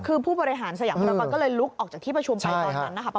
คือผู้บริหารสยามภารกรก็เลยลุกออกจากที่ประชุมไปตอนนั้นนะคะ